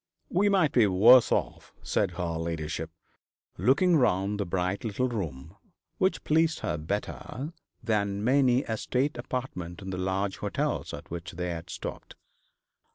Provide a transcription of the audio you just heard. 'We might be worse off,' said her ladyship, looking round the bright little room, which pleased her better than many a state apartment in the large hotels at which they had stopped.